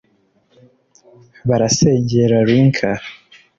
barasengera Lynker